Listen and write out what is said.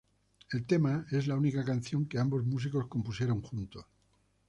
El tema es la única canción que ambos músicos compusieron juntos.